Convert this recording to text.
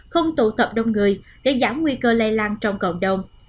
không tụ tập đông người để giảm nguy cơ lây lan trong cộng đồng